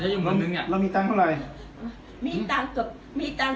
สวัสดีทุกคน